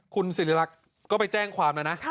คุณศิริรักษ์ก็ไปแจ้งความแล้วนะ